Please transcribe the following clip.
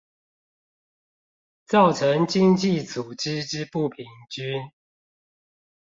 造成經濟組織之不平均